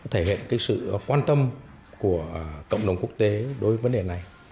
thể hiện sự quan tâm của cộng đồng quốc tế đối với vấn đề này